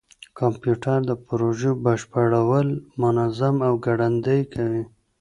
کمپيوټر د پروژو بشپړول منظم او ګړندي کوي.